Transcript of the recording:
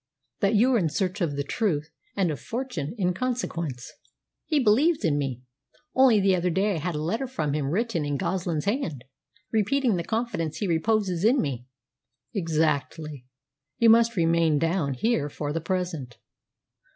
"That you are in search of the truth, and of fortune in consequence." "He believes in me. Only the other day I had a letter from him written in Goslin's hand, repeating the confidence he reposes in me." "Exactly. You must remain down here for the present."